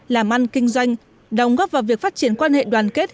làm ăn kinh doanh đồng góp vào việc phát triển quan hệ đoàn kết